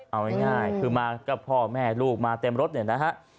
เอาง่ายคือมาก็พ่อแม่ลูกมาเต็มรถเนี่ยนะฮะ